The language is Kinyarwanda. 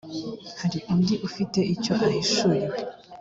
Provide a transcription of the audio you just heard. hari undi ufite icyo ahishuriwe